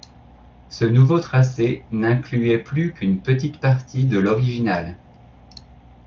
Ce nouveau tracé n'incluait plus qu'une petite partie de l'original.